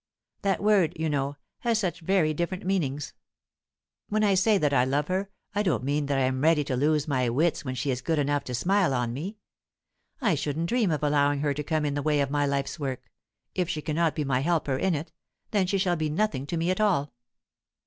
That word, you know, has such very different meanings. When I say that I love her, I don't mean that I am ready to lose my wits when she is good enough to smile on me. I shouldn't dream of allowing her to come in the way of my life's work; if she cannot be my helper in it, then she shall be nothing to me at all.